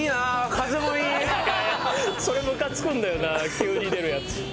急に出るやつ。